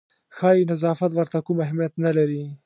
ښایي نظافت ورته کوم اهمیت نه لري.